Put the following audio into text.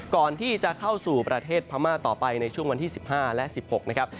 ก่อนที่จะเข้าสู่ประเทศพม่าต่อไปในช่วงวันที่๑๕และ๑๖นะครับ